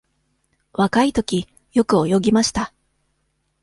若いとき、よく泳ぎました。